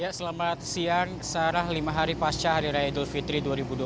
ya selamat siang sarah lima hari pasca hari raya idul fitri dua ribu dua puluh